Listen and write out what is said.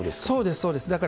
そうです、そうです。